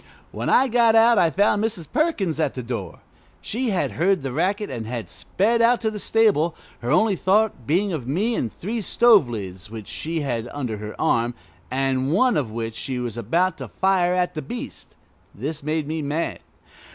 When I got out I found Mrs. Perkins at the door. She had heard the racket, and had sped out to the stable, her only thought being of me and three stove lids which she had under her arm, and one of which she was about to fire at the beast. This made me mad.